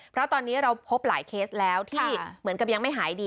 เพราะตอนนี้เราพบหลายเคสแล้วที่เหมือนกับยังไม่หายดี